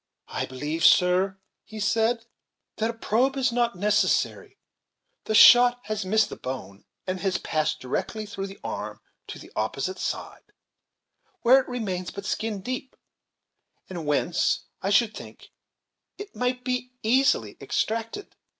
"I believe, sir," he said, "that a probe is not necessary; the shot has missed the bone, and has passed directly through the arm to the opposite side, where it remains but skin deep, and whence, I should think, it might be easily extracted."